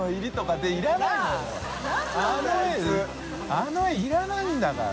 あの絵いらないんだから。